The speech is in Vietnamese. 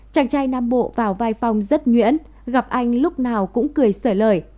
chàng trai nam bộ vào vai phong rất nhuyễn gặp anh lúc nào cũng cười sửa lời